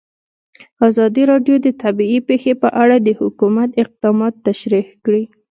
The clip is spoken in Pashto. ازادي راډیو د طبیعي پېښې په اړه د حکومت اقدامات تشریح کړي.